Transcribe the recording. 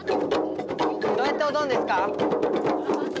どうやっておどんですか？